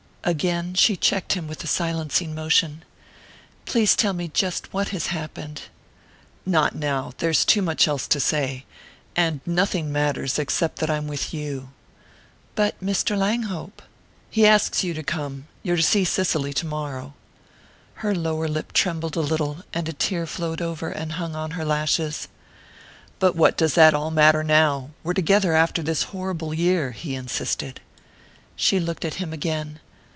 Again she checked him with a silencing motion. "Please tell me just what has happened." "Not now there's too much else to say. And nothing matters except that I'm with you." "But Mr. Langhope " "He asks you to come. You're to see Cicely to morrow." Her lower lip trembled a little, and a tear flowed over and hung on her lashes. "But what does all that matter now? We're together after this horrible year," he insisted. She looked at him again.